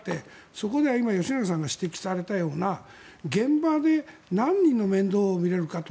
そこでは今、吉永さんが指摘されたような現場で何人の面倒を見れるかと。